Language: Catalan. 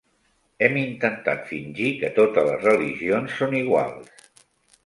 Hem intentat fingir que totes les religions són iguals.